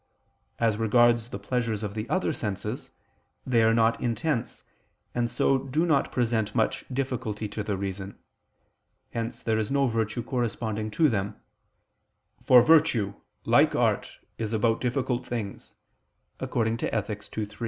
_ As regards the pleasures of the other senses, they are not intense, and so do not present much difficulty to the reason: hence there is no virtue corresponding to them; for virtue, "like art, is about difficult things" (Ethic. ii, 3).